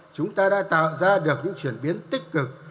chúng ta đã tạo ra được những chuyển biến tích cực